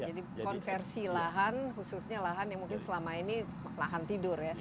jadi konversi lahan khususnya lahan yang mungkin selama ini lahan tidur ya